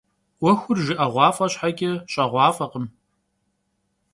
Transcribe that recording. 'Uexur jjı'eğuaf'e şheç'e, ş'eğuaf'ekhım.